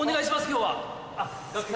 今日は。